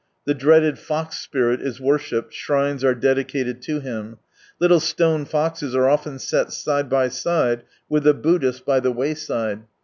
The dreaded Fox Spirit is worshipped, shrines are dedicated to him. Little stone foxes are often set side by side with the Buddhas by the wayside.